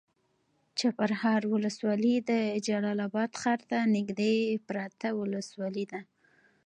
چپرهار ولسوالي د جلال اباد ښار ته نږدې پرته ولسوالي ده.